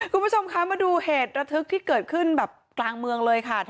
คุณผู้ชมคะมาดูเหตุระทึกที่เกิดขึ้นแบบกลางเมืองเลยค่ะ